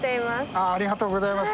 ありがとうございます。